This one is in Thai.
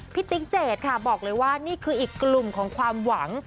ติ๊กเจดค่ะบอกเลยว่านี่คืออีกกลุ่มของความหวัง